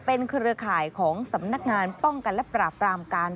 เป็นเครือข่ายของสำนักงานป้องกันและปราบรามการ